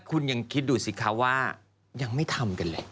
คุณยังคิดดูสิคะว่ายังไม่ทำกันเลย